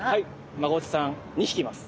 マゴチさん２匹います。